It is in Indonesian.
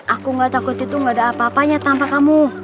aku gak takut itu gak ada apa apanya tanpa kamu